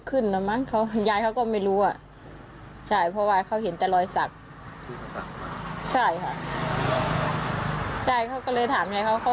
อืม